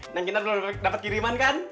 neng kinar belum dapat kiriman kan